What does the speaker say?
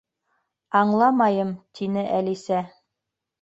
—Аңламайым! —тине Әлисә.